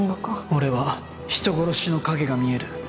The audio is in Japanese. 俺は人殺しの影が見える